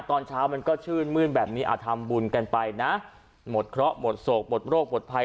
ตอนเช้ามันก็ชื่นมื้นแบบนี้ทำบุญกันไปนะหมดเคราะห์หมดโศกหมดโรคหมดภัย